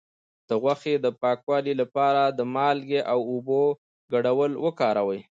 د غوښې د پاکوالي لپاره د مالګې او اوبو ګډول وکاروئ